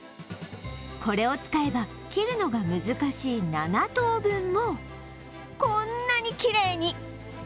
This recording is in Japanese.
これを使えば、切るのが難しい７等分もこんなにきれいに！